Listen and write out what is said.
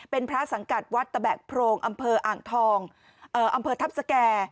เป็นพระสังกัดวัดตะแบกโพรงอำเภออ่างทองอำเภอทัพสแก่